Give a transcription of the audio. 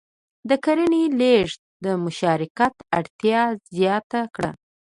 د کرنې لېږد د مشارکت اړتیا زیاته کړه.